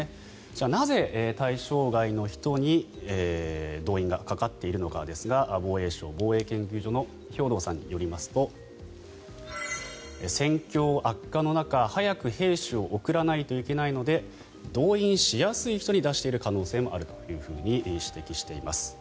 じゃあ、なぜ対象外の人に動員がかかっているのかですが防衛省防衛研究所の兵頭さんによりますと戦況悪化の中、早く兵士を送らないといけないので動員しやすい人に出している可能性もあると指摘しています。